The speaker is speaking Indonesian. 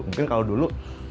mungkin kalau dulu